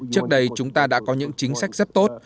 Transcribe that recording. trước đây chúng ta đã có những chính sách rất tốt